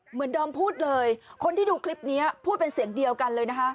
เหมือนเดิมพูดเลยคนที่ดูคลิปนี้พูดเป็นเสียงเดียวกันเลยนะคะ